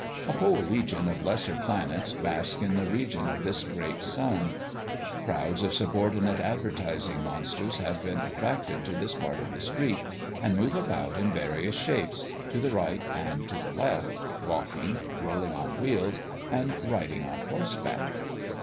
A whole legion of lesser planets bask in the region of this great sun. Crowds of subordinate advertising monsters have been attracted to this part of the street, and move about in various shapes, to the right and to the left, walking, rolling on wheels, and riding on horseback.